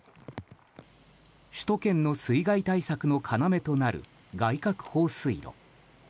首都圏の水害対策の要となる外郭放水路。